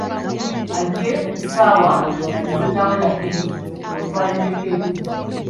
Ajje ku ssaawa nga tezinnawera bbiri amutwalireko ebintu.